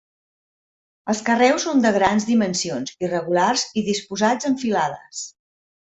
Els carreus són de grans dimensions, irregulars i disposats en filades.